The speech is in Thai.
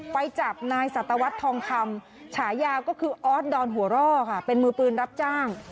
ไปจับนายสัตวรรษทองคำฉายาก็คือออสดอนหัวร่อค่ะเป็นมือปืนรับจ้าง